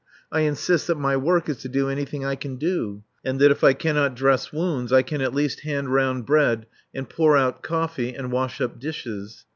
I insist that my work is to do anything I can do; and that if I cannot dress wounds I can at least hand round bread and pour out coffee and wash up dishes.